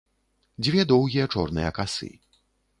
Дзве доўгія чорныя касы.